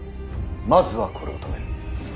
まずはこれを止める。